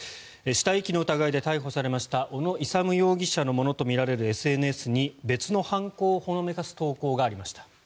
死体遺棄の疑いで逮捕されました小野勇容疑者のものとみられるＳＮＳに別の犯行をほのめかす投稿がありました。